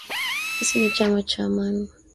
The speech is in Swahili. Sisi ni chama cha Amani